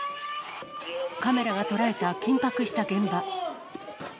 カメラが捉えた緊迫した現場。